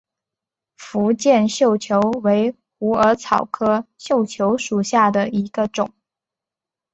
福建绣球为虎耳草科绣球属下的一个种。